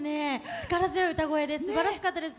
力強い歌声ですばらしかったです。